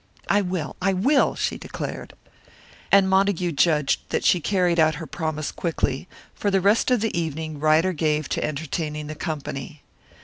"I will I will!" she declared. And Montague judged that she carried out her promise quickly, for the rest of the evening Ryder gave to entertaining the company.